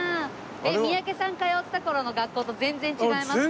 三宅さん通ってた頃の学校と全然違いますか？